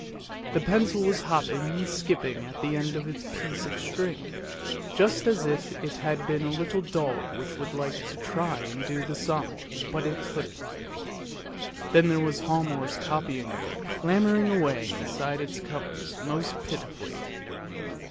The pencil was hopping and skipping at the end of its piece of string, just as if it had been a little dog which would like to try and do the sum, but it couldn't ! Then there was Hialmar's copybook clamouring away inside its covers most pitifully.